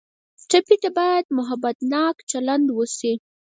ټپي ته باید محبتناکه چلند وشي.